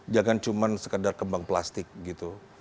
jangan cuma sekedar kembang plastik gitu